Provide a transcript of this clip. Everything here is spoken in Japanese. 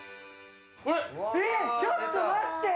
ちょっと待って！